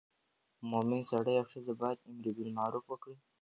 مومن سړی او ښځه باید امر بالمعروف وکړي.